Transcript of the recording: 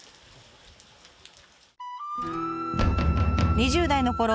２０代のころ